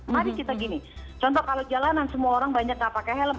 mari kita gini contoh kalau jalanan semua orang banyak nggak pakai helm